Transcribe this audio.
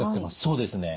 そうですね。